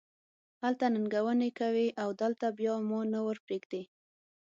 هلته ننګونې کوې او دلته بیا ما نه ور پرېږدې.